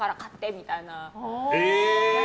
みたいな。